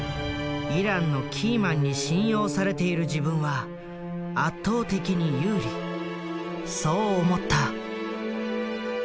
イランのキーマンに信用されている自分はそう思った。